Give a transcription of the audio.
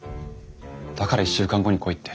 だから１週間後に来いって。